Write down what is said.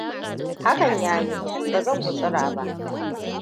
Hakan ya yi. Ba zan gutsira ba.